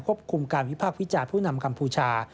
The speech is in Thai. คุมการวิพากษ์วิจารณ์ผู้นำกัมพูชา